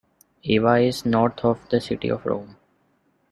Ava is north of the city of Rome.